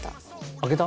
開けた？